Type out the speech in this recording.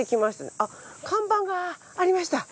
あっ看板がありました。